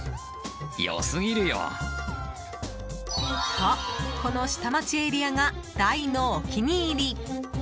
と、この下町エリアが大のお気に入り。